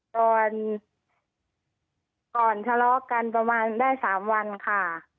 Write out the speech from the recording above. ตอนก่อนชะลอกกันประมาณได้สามวันค่ะ